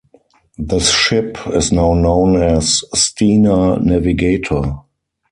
The ship is now known as "Stena Navigator".